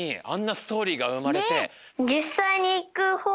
ストーリーがうまれて。